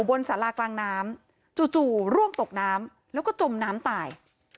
บนสารากลางน้ำจู่ร่วงตกน้ำแล้วก็จมน้ำตาย